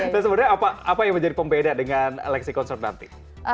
dan sebenarnya apa yang menjadi pembeda dengan lexicon concert nanti